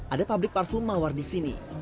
ada pabrik parfum mawar di sini